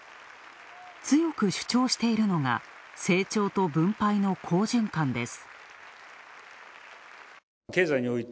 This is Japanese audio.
強く主張しているのが成長と分配の好循環です。